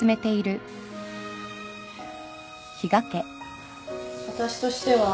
私としては。